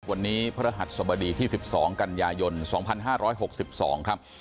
วันนี้พระหัทธ์สบดีที่สิบสองกันยายนสองพันห้าร้อยหกสิบสองครับ